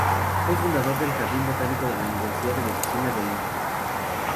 Fue fundador del Jardín Botánico de la Universidad de Medicina de Lviv.